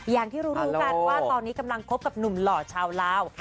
อย่างที่รู้กันว่าตอนนี้กำลังคบกับหนุ่มหล่อชาวลาว